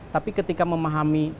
tapi ketika memahami